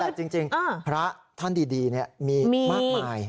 แต่จริงพระท่านดีมีมากมาย